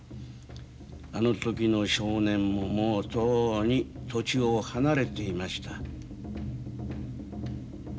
あの時の少年ももうとうに土地を離れていました。